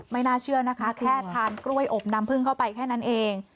ไม่น่าเชื่อนะคะแค่ทานกล้วยอบน้ำพึ่งเข้าไปแค่นั้นเอง